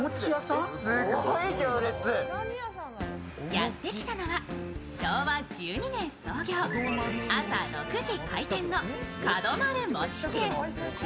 やってきたのは昭和１２年創業、朝６時開店のかど丸餅店。